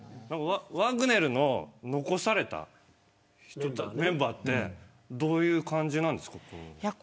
ワグネルの残されたメンバーってどういう感じなんですか。